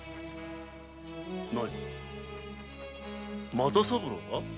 又三郎が。